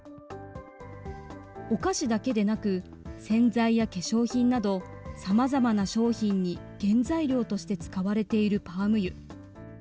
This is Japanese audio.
お菓子だけでなく、洗剤や化粧品など、さまざまな商品に原材料として使われているパーム油。